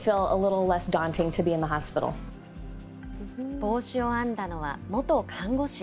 帽子を編んだのは元看護師。